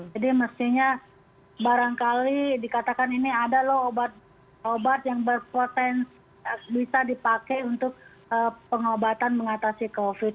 jadi mestinya barangkali dikatakan ini adalah obat obat yang berpotensi bisa dipakai untuk pengobatan mengatasi covid